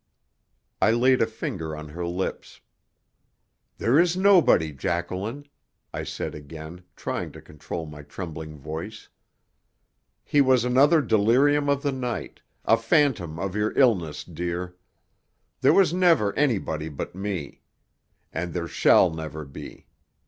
I laid a finger on her lips. "There is nobody, Jacqueline," I said again, trying to control my trembling voice. "He was another delirium of the night, a fantom of your illness, dear. There was never anybody but me, and there shall never be.